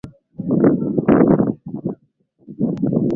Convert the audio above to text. Abhanyabhas Wanyabasi Abhaireghe Wairege nakadhalika